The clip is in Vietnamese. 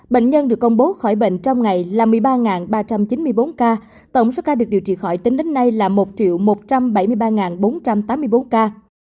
bệnh nhân được công bố khỏi bệnh trong ngày là một mươi ba ba trăm chín mươi bốn ca tổng số ca được điều trị khỏi tính đến nay là một một trăm bảy mươi ba bốn trăm tám mươi bốn ca